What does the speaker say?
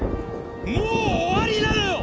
もう終わりなのよ！